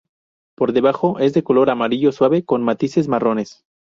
Por debajo es de color amarillo suave, con matices marrones.